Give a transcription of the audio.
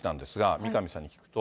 三上さんに聞くと。